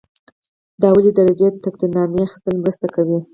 د لومړۍ درجې تقدیرنامې اخیستل مرسته کوي.